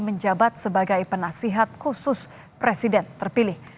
menjabat sebagai penasihat khusus presiden terpilih